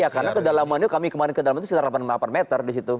ya karena kedalamannya kami kemarin ke dalam itu sekitar delapan meter di situ